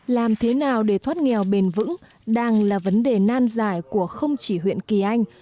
làm thế nào để thoát nghèo bền vững đang là vấn đề nan giải của không chỉ huyện kỳ anh